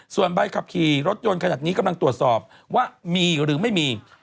ส่วนใบขับขี่รถยนต์ขนาดนี้กำลังตรวจสอบว่ามีหรือไม่มี